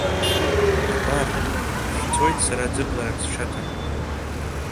Абар, сцоит сара ӡыбларак сҽаҭан…